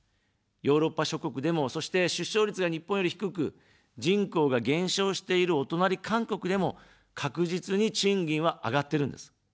ヨーロッパ諸国でも、そして、出生率が日本より低く、人口が減少しているお隣、韓国でも、確実に賃金は上がってるんです。